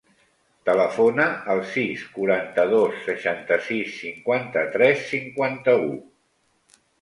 Telefona al sis, quaranta-dos, seixanta-sis, cinquanta-tres, cinquanta-u.